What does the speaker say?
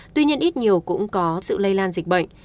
tuy nhiên ít nhiều cũng có sự lây lan dịch bệnh